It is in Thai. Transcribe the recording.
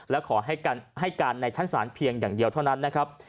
และขอให้การในชั้นศาลเพียงอย่างเดียวเท่านั้นนะครับ